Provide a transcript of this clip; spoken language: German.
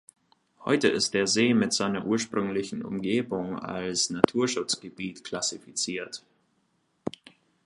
Heute ist der See mit seiner ursprünglichen Umgebung als Naturschutzgebiet klassifiziert.